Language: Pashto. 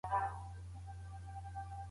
هر قوم خپل ځانګړي دودونه لري.